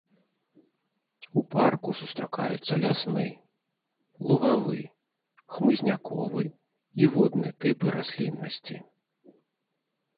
У парку сустракаюцца лясны, лугавы, хмызняковы і водны тыпы расліннасці.